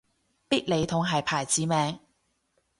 必理痛係牌子名